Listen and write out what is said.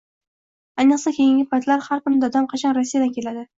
Ayniqsa, keyingi paytlar har kuni Dadam qachon Rossiyadan keladi